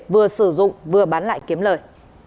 vừa sử dụng vừa bán lại kiếm lời